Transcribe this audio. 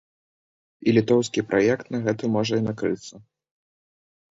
І літоўскі праект на гэтым можа і накрыцца.